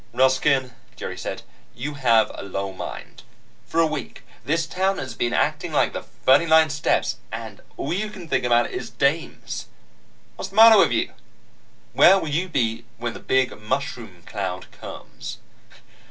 "Ruskin," Jerry said, "you have a low mind. For a week, this town has been acting like the 39 Steps, and all you can think about is dames. What's the matter with you? Where will you be when the big mushroom cloud comes?"